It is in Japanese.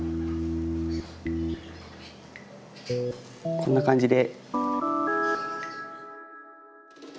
こんな感じで。